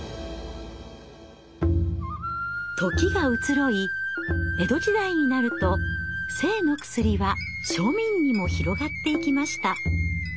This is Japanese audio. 時が移ろい江戸時代になると性の薬は庶民にも広がっていきました。